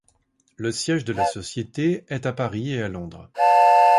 Le siège de la société est à Paris et à Londres.